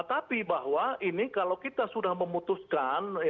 tapi bahwa ini kalau kita sudah memutuskan